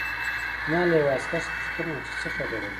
ما له یوه عسکر څخه پوښتنه وکړه چې څه خبره ده